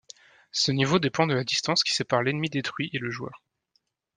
Ce niveau dépend de la distance qui sépare l'ennemi détruit et le joueur.